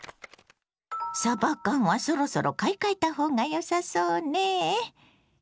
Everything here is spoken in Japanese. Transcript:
さば缶はそろそろ買い替えた方がよさそうね。